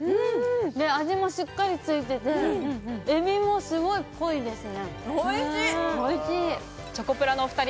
味もしっかりついていて、海老もすごい濃いですね。